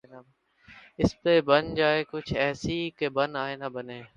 اس پہ بن جائے کچھ ایسی کہ بن آئے نہ بنے